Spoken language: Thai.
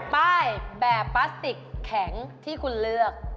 แบบพลาสติกแข็งที่คุณเลือก